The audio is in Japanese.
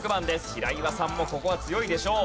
平岩さんもここは強いでしょう。